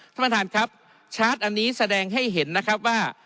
ท่านประธานครับชาร์จอันนี้แสดงให้เห็นนะครับว่า